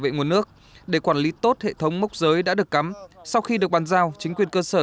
vệ nguồn nước để quản lý tốt hệ thống mốc giới đã được cắm sau khi được bàn giao chính quyền cơ sở